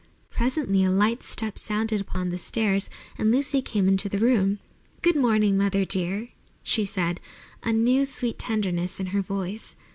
Presently a light step sounded upon the stairs and Lucy came into the room. "Good morning, mother dear!" she said, a new, sweet tenderness in her voice.